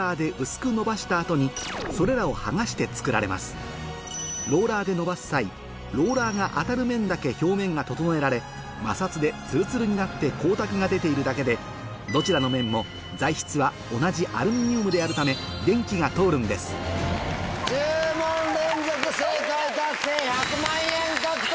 通常ローラーで延ばす際ローラーが当たる面だけ表面が整えられ摩擦でツルツルになって光沢が出ているだけでどちらの面も材質は同じアルミニウムであるため１０問連続正解達成１００万円獲得！